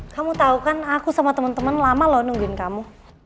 kamu tau kan aku sama teman teman lama loh nungguin kamu